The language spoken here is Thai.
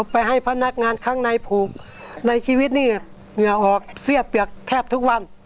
ไปให้พนักงานข้างในผูกในชีวิตนี่เหงื่อออกเสี้ยเปียกแทบทุกวัน